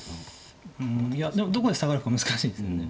うんいやでもどこでサガるか難しいですよね。